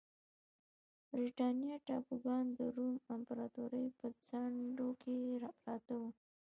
د برېټانیا ټاپوګان د روم امپراتورۍ په څنډو کې پراته وو